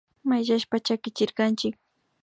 Mayllashpa chakichirkanchik